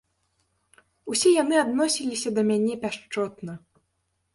Усе яны адносіліся да мяне пяшчотна.